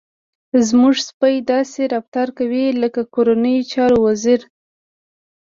زموږ سپی داسې رفتار کوي لکه د کورنیو چارو وزير.